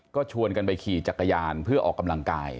ก็ชวนกันไปขี่จักรยานเพื่อออกกำลังกาย